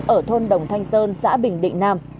ở thôn đồng thanh sơn xã bình định nam